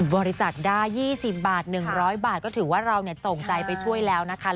บริจาคได้๒๐บาท๑๐๐บาทก็ถือว่าเราส่งใจไปช่วยแล้วนะคะ